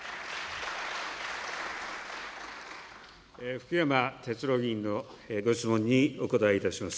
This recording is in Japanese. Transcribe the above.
福山哲郎議員のご質問にお答えいたします。